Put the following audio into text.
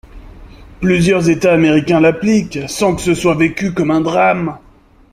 Plusieurs États américains l’appliquent, sans que ce soit vécu comme un drame.